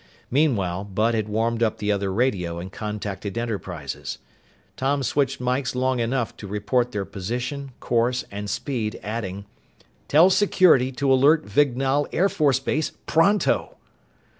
Meanwhile, Bud had warmed up the other radio and contacted Enterprises. Tom switched mikes long enough to report their position, course, and speed, adding: "Tell Security to alert Vignall Air Force Base pronto!"